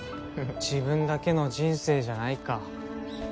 自分だけの人生じゃないか。